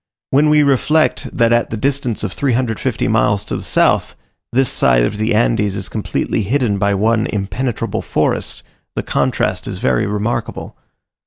When we reflect, that at the distance of 350 miles to the south, this side of the Andes is completely hidden by one impenetrable forest, the contrast is very remarkable.